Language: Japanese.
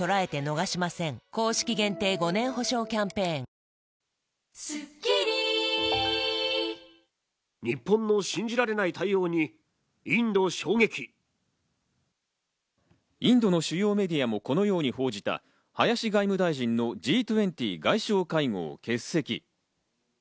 一部の野党だけでなく自民党インドの主要メディアもこのように報じた林外務大臣のＧ２０外相会合欠席。